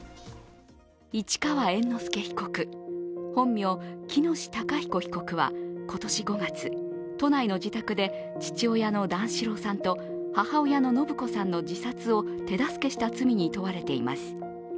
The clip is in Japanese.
市川猿之助被告、本名・喜熨斗孝彦被告は今年５月、都内の自宅で父親の段四郎さんと母親の延子さんの自殺を手助けした罪に問われています。